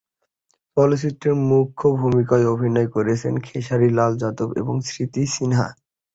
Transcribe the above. চলচ্চিত্রটিতে মুখ্য ভূমিকায় অভিনয় করেছেন খেসারি লাল যাদব এবং স্মৃতি সিনহা।